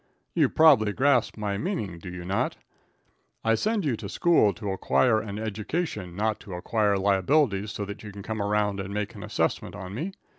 You probably grasp my meaning, do you not? I send you to school to acquire an education, not to acquire liabilities, so that you can come around and make an assessment on me.